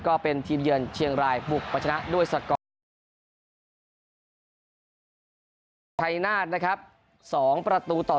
ก็เป็นทีมเยือนเชียงรายบุกประชนะด้วยสกร